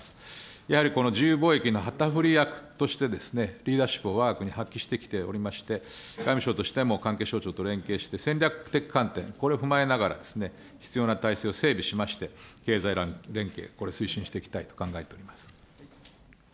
やはりこの自由貿易の旗振り役としてリーダーシップをわが国発揮してきておりまして、外務省としても関係省庁と連携して戦略的観点、これを踏まえながら必要な体制を整備しまして、経済連携、これ、推進していきたいと考えております。